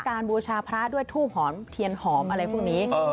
บูชาพระด้วยทูบหอมเทียนหอมอะไรพวกนี้